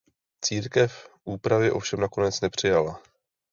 Církev úpravy ovšem nakonec nepřijala.